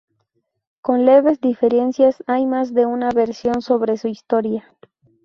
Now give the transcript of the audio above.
Con leves diferencias, hay más de una versión sobre su historia.